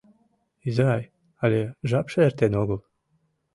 — Изай, але жапше эртен огыл.